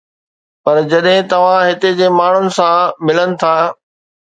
پر جڏهن توهان هتي جي ماڻهن سان ملن ٿا